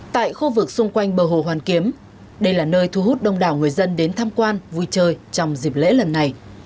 tại khu vực xung quanh bờ hồ hoàn kiếm đây là nơi thu hút đông đảo người dân đến tham quan vui chơi trong dịp lễ lần này